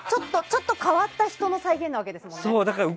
ちょっと変わった人の再現なわけですからね。